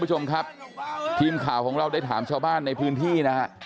ผู้ชมครับทีมข่าวของเราได้ถามเช้าบ้านในพื้นที่